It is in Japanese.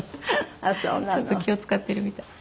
ちょっと気を使っているみたい。